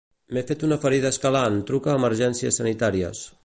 M'he fet una ferida escalant, truca a Emergències Sanitàries.